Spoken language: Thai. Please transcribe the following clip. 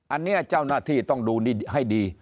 อันนี้เจ้าหน้าที่ต้องดูให้ดี